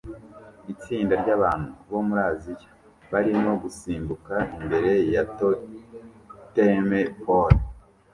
Itsinda ryabantu bo muri Aziya barimo gusimbuka imbere ya totem pole